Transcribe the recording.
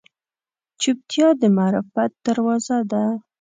چوپتیا، د معرفت دروازه ده.